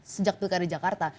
sejak pilkada jakarta